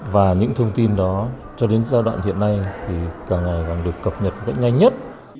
và những thông tin đó cho đến giai đoạn hiện nay thì càng ngày được cập nhật nhanh nhất